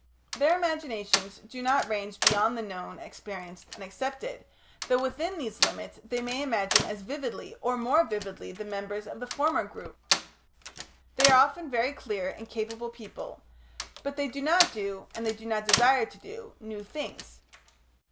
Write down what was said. Their imaginations do not range beyond the known, experienced, and accepted, though within these limits they may imagine as vividly or more vividly than members of the former group. They are often very clever and capable people, but they do not do, and they do not desire to do, new things.